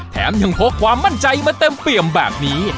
แถมยังพกความมั่นใจมาเต็มเปี่ยมแบบนี้